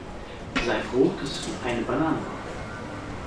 Sei froh, dass es nur eine Banane war!